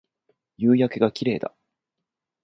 夕焼けが綺麗だ